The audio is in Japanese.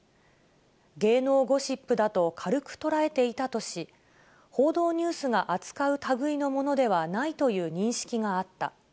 芸能ゴシップだと軽く捉えていたとし、報道ニュースが扱うたぐいのものではないという認識があった。